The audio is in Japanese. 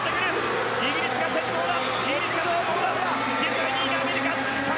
イギリスが先頭だ。